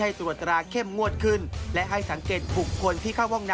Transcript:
หลายคนไม่วอกว่าอยู่ที่นอย